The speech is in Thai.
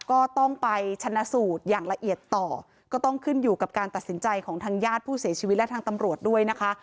ก็ต้องไปชนะสูตรอย่างละเอียดต่อก็ต้องขึ้นอยู่กับการตัดสินใจของทางญาติผู้เสียชีวิตและทางตำรวจด้วยนะคะ